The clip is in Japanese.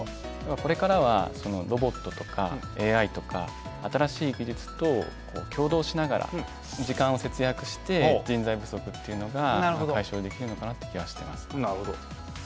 これからはロボットとかＡＩとか新しい技術と共同しながら時間を節約して人材不足っていうのが解消できるのかなって気がしてます。